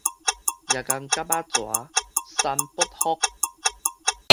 蜈蚣蛤仔蛇，三不服